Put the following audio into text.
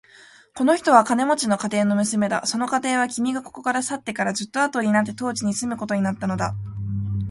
この人は金持の家庭の娘だ。その家庭は、君がここから去ってからずっとあとになって当地に住むことになったのだ。